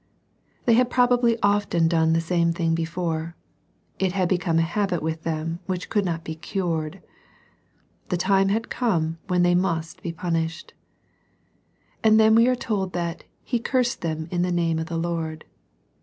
They had probably often done the same" thing before. It had become a habit with them which could not be cured. The time had come when they must be punished. And then we are told that " he cursed them in the name of the Lord."